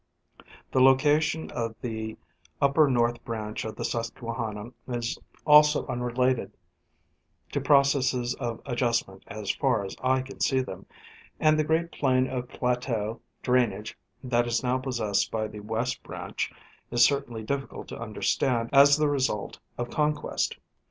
The location of the upper North Branch of the Sus quehanna is also unrelated to processes of adjustment as far as I can see them, and the great area of plateau drainage that is now possessed by the West Branch is certainly difficult to understand as the result of conquest.